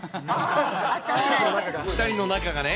２人の仲がね。